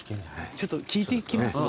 ちょっと聞いてきます僕。